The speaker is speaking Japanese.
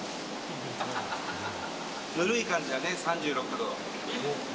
ぬるい感じだね、３６度。